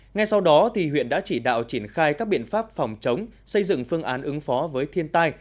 ngay sau đó huyện đã chỉ đạo triển khai các biện pháp phòng chống xây dựng phương án ứng phó với thiên tai